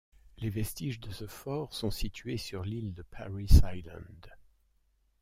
Les vestiges de ce fort sont situés sur l'île de Parris Island.